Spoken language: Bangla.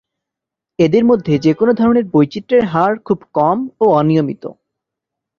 এদের মধ্যে যেকোন ধরনের বৈচিত্রের হার খুব কম ও অনিয়মিত।